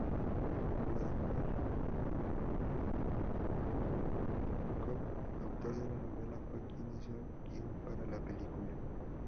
Vladimir Nabokov, autor de la novela, fue quien hizo el guion para la película.